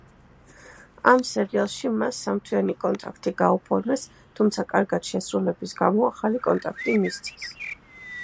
ამ სერიალში მას სამთვიანი კონტრაქტი გაუფორმეს, თუმცა კარგად შესრულების გამო ახალი კონტრაქტი მისცეს.